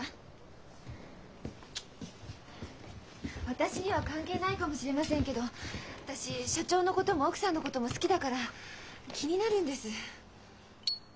私には関係ないかもしれませんけど私社長のことも奥さんのことも好きだから気になるんです。